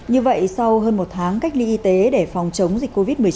như vậy sau hơn một tháng cách ly y tế để phòng chống dịch covid một mươi chín